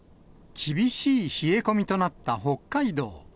厳しい冷え込みとなった北海道。